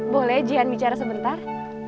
boleh jihan bicara sebentar